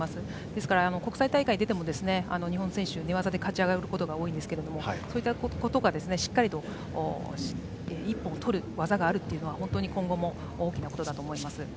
ですから国際大会に出ても日本選手は寝技で勝ち上がることが多いんですがそういったことがしっかりと一本を取る技があるというのは本当に今後も大きなことだと思います。